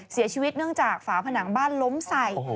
เสียชีวิตเนื่องจากฝาผนังบ้านล้มใส่